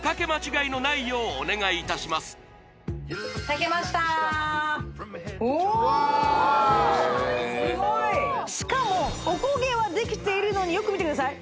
炊けましたおおすごいしかもおこげはできているのによく見てください